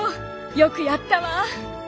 よくやったわ！